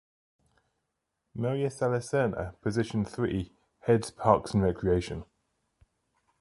Mariacela Serna, position three, heads parks and recreation.